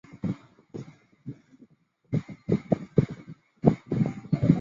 加瑞根很欣赏阿敏的魅力和建立平等国家的抱负。